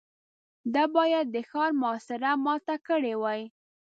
ده بايد د ښار محاصره ماته کړې وای.